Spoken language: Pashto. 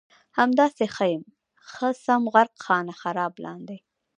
همداسې ښه یم ښه سم غرق خانه خراب لاندې